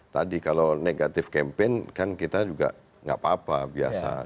tadi kalau negatif campaign kan kita juga nggak apa apa biasa